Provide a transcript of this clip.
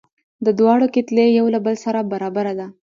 د دواړو کتلې یو له بل سره برابره ده.